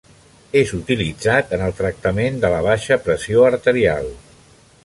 És utilitzat en el tractament de la baixa pressió arterial.